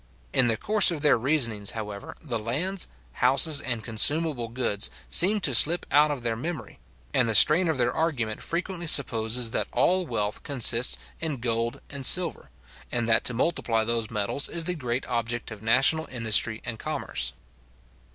In the course of their reasonings, however, the lands, houses, and consumable goods, seem to slip out of their memory; and the strain of their argument frequently supposes that all wealth consists in gold and silver, and that to multiply those metals is the great object of national industry and commerce.